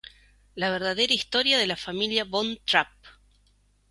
La verdadera historia de la Familia von Trapp